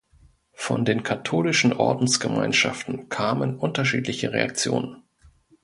Von den katholischen Ordensgemeinschaften kamen unterschiedliche Reaktionen.